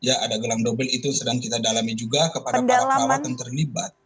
ada gelang dobel itu sedang kita dalami juga kepada para perawat yang terlibat